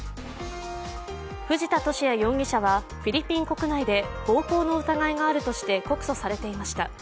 藤田聖也容疑者はフィリピン国内で暴行の疑いがあるとして告訴されていました。